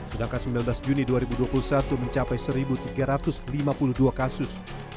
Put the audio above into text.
sedangkan sembilan belas juni dua ribu dua puluh satu mencapai satu tiga ratus lima puluh dua kasus